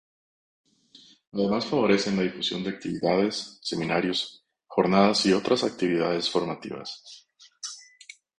Además favorecen la difusión de actividades, seminarios, jornadas y otras actividades formativas.